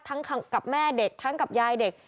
กับแม่เด็กทั้งกับยายเด็ก